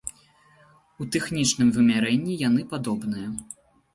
У тэхнічным вымярэнні яны падобныя.